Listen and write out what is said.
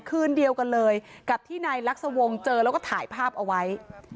คืนเดียวกันเลยกับที่นายลักษวงศ์เจอแล้วก็ถ่ายภาพเอาไว้